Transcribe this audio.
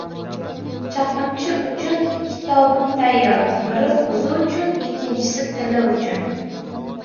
• Chaqimchi uchun ikki tobut tayyor: biri o‘zi uchun, ikkinchisi tili uchun.